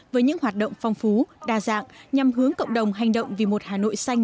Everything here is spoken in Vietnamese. với những hoạt động phong phú đa dạng nhằm hướng cộng đồng hành động vì một hà nội xanh